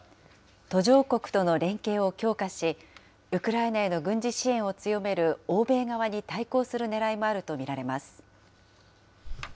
途上国との連携を強化し、ウクライナへの軍事支援を強める欧米側に対抗するねらいもあると見られます。